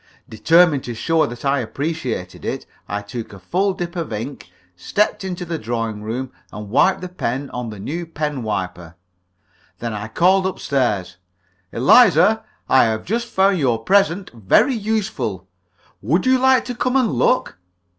Determined to show her that I appreciated it, I took a full dip of ink, stepped into the drawing room, and wiped the pen on the new pen wiper. Then I called up stairs: "Eliza, I have just found your present very useful. Would you like to come and look?"